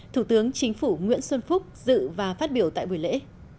thủ tướng chính phủ nguyễn xuân phúc dự và phát biểu tại buổi lễ